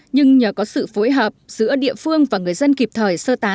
nhưng nhờ có sự phối hợp giữa địa phương và người dân kịp thời